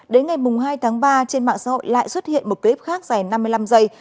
đến ngày hai tháng ba trên mạng xã hội lại xuất hiện một clip khác dài năm mươi năm giây